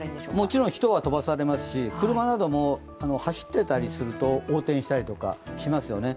人は飛ばされますし、車なども走ってたりすると横転したりとかしますよね。